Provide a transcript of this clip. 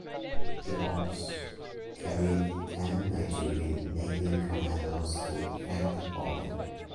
The "Ose" carried ten Nigerian Navy commandos to effect the boarding.